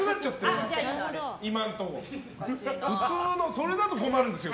それだと困るんですよ